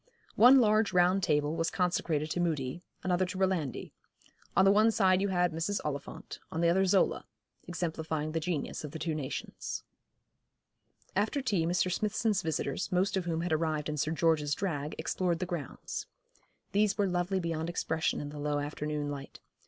One large round table was consecrated to Mudie, another to Rolandi. On the one side you had Mrs. Oliphant, on the other Zola, exemplifying the genius of the two nations. After tea Mr. Smithson's visitors, most of whom had arrived in Sir George's drag, explored the grounds. These were lovely beyond expression in the low afternoon light.